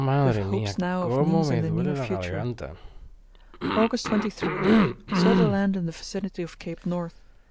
We have hopes now of news in the near future. "August 23.—Saw the land in the vicinity of Cape North.